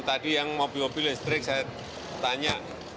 tadi yang mobil mobil listrik saya tanya